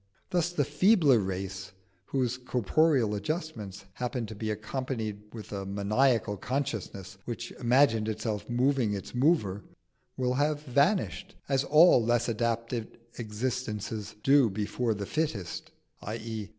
Thus the feebler race, whose corporeal adjustments happened to be accompanied with a maniacal consciousness which imagined itself moving its mover, will have vanished, as all less adapted existences do before the fittest _i.e.